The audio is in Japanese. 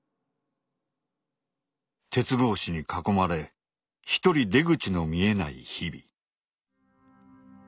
鉄格子に囲まれ一人出口の見えない日々。